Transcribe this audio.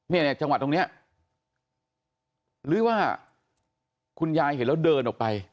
เนี่ยจังหวัดตรงนี้หรือว่าคุณยายเห็นแล้วเดินออกไป